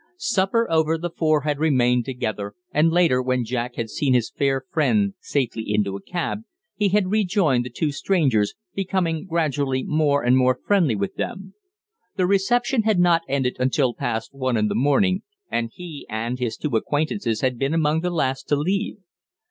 Supper over, the four had remained together, and later, when Jack had seen his fair friend safely into a cab, he had rejoined the two strangers, becoming gradually more and more friendly with them. The reception had not ended until past one in the morning, and he and his two acquaintances had been among the last to leave.